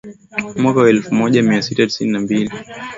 Mwaka wa elfu moja mia tisa sitini na mbili